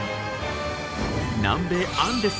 南米アンデス。